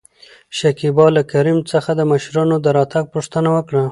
شکيبا له کريم څخه د مشرانو د راتګ پوښتنه وکړه.